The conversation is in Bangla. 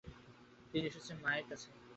তিনি এসেছেন মায়ের কাছে।